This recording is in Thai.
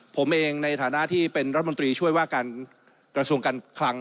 ผมเองในฐานะที่เป็นรัฐมนตรีช่วยว่าการกระทรวงการคลัง